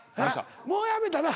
もうやめたな。